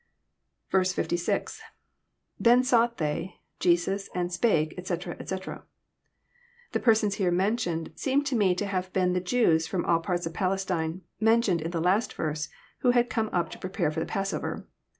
66.—\_Then sought they...Jesus^ and spakCj etc., etc.] The persons here mentioned seem to me to have been the Jews from all parts of Palestine, mentioned in the last verse, who had come up to prepare for the passover.